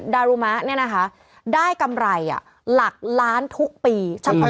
ดารุมะเนี่ยนะคะได้กำไรหลักล้านทุกปี